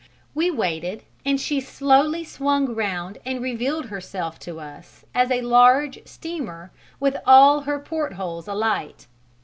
We waited and she slowly swung round and revealed herself to us as a large steamer with all her portholes alight.